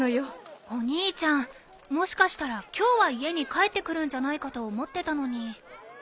お兄ちゃんもしかしたら今日は家に帰ってくるんじゃないかと思ってたのに。